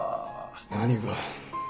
何が？